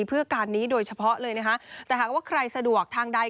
เพื่อการนี้โดยเฉพาะเลยนะคะแต่หากว่าใครสะดวกทางใด